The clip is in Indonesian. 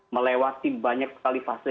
melewati banyak sekali fase